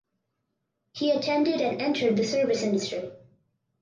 He attended and entered the service industry.